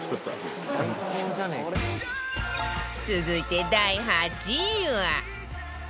続いて第８位は